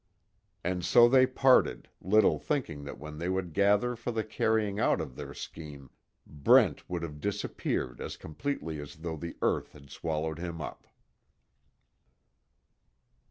And so they parted, little thinking that when they would gather for the carrying out of their scheme, Brent would have disappeared as completely as though the earth had swallowed him up.